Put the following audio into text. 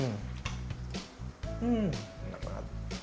hmm enak banget